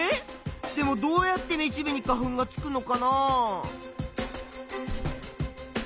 でもどうやってめしべに花粉がつくのかな？